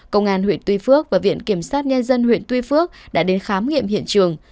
công an huyện tuy phước và viện kiểm sát nhân dân huyện tuy phước đã đến khám nghiệm hiện trường